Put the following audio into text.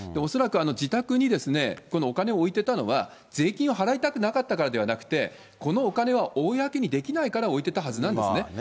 恐らく自宅にこのお金を置いてたのは、税金を払いたくなかったからではなくて、このお金は公にできないから置いてたはずなんですね。